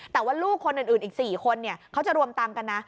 แต่ว่าลูกคนอื่นอีก๔คนเขาจะรวมตังค์กันนะ